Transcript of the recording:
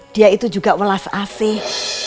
dia itu juga welas asih